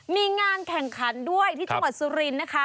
มีงานแข่งขันด้วยที่จังหวัดสุรินทร์นะคะ